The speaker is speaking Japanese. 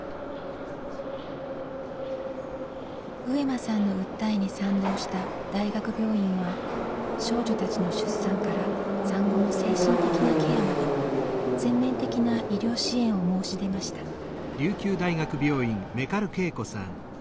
上間さんの訴えに賛同した大学病院は少女たちの出産から産後の精神的なケアまで全面的な医療支援を申し出ました。